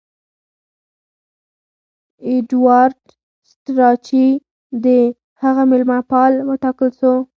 ایډوارډ سټراچي د هغه مېلمه پال وټاکل سو.